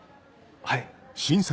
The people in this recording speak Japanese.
はい。